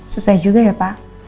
susah juga ya pak